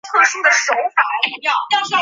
目前全市人口中依然是藏族居多数。